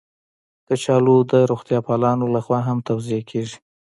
کچالو د روغتیا پالانو لخوا هم توصیه کېږي